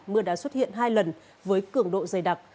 mưa đã xuất hiện hai lần với cường độ dày đặc